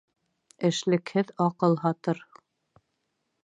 Эшлекһеҙ аҡыл һатыр.